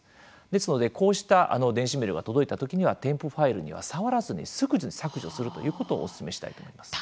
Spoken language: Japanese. ですのでこうした電子メールが届いた時には添付ファイルには触らずにすぐに削除するということをおすすめしたいと思います。